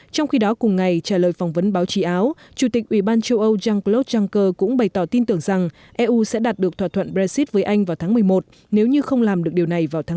trong khi đó cùng ngày trả lời phỏng vấn báo chí áo chủ tịch ủy ban châu âu jean claude juncker cũng bày tỏ tin tưởng rằng eu sẽ đạt được thỏa thuận brexit với anh vào tháng một mươi một nếu như không làm được điều này vào tháng bốn